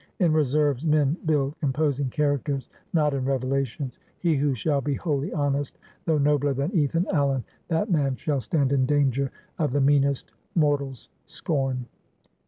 In reserves men build imposing characters; not in revelations. He who shall be wholly honest, though nobler than Ethan Allen; that man shall stand in danger of the meanest mortal's scorn.